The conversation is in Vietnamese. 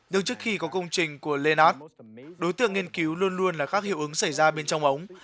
nhưng trước khi có công trình của lenart đối tượng nghiên cứu luôn luôn là các hiệu ứng xảy ra bên trong ống